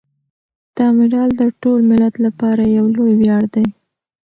دا مډال د ټول ملت لپاره یو لوی ویاړ دی.